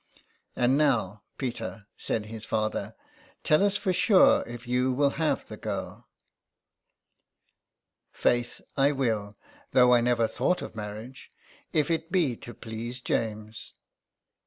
*^ And now, Peter," said his father, ''tell us for sure if you will have the girl ?"'^ Faith I will, though I never thought of marriage, if it be to please James."